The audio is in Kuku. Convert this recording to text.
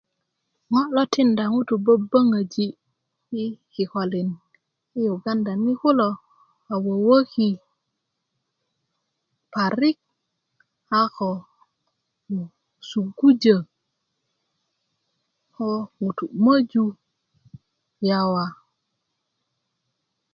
ŋo' lo tikinda ŋutuu yi böböŋöyi' yi kikolin ti yuganda ni kulo a wöwöki parik ako sugujö ko ŋutu' möju yawa